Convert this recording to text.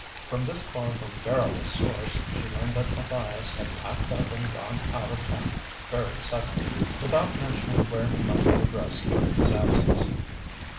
From this far from garrulous source she learned that Matthias had packed up and gone out of town very suddenly, without mentioning where he might be addressed during his absence.